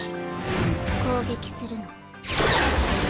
攻撃するの。